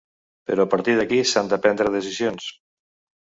Però a partir d’aquí s’han de prendre decisions.